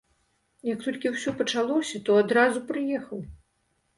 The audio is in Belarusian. Як толькі ўсё пачалося, то адразу прыехаў.